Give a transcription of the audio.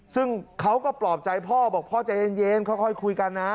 ซึ่งเขาก็ปลอบใจพ่อบอกพ่อใจเย็นค่อยคุยกันนะ